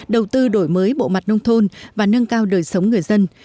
đầu tư đổi mới bộ mặt nông thôn và nâng cao đời sống người dân